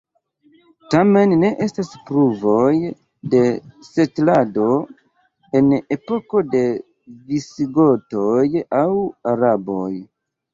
Tamen ne estas pruvoj de setlado en epoko de visigotoj aŭ araboj.